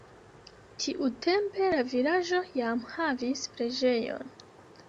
Tiutempe la vilaĝo jam havis preĝejon.